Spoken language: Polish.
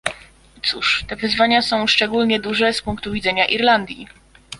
Cóż, te wyzwania są szczególnie duże z punktu widzenia Irlandii